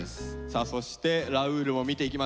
さあそしてラウールも見ていきましょう。